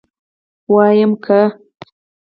ويم که.